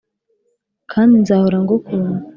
kandi nzahora ngukunda!